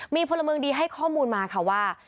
มีผมหน่วยให้ข้อมูลมาค่ะว่า